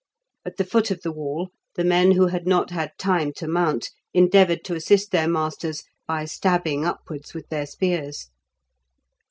At the foot of the wall the men who had not had time to mount endeavoured to assist their masters by stabbing upwards with their spears.